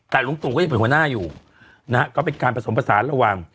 แต่ลุงตู่ก็ยังเป็นหัวหน้าอยู่นะฮะก็เป็นการผสมผสานระหว่าง